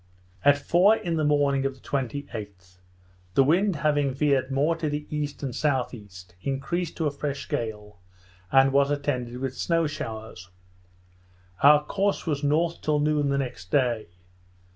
At four in the morning of the 28th, the wind having veered more to the E. and S.E., increased to a fresh gale, and was attended with snow showers. Our course was north till noon the next day.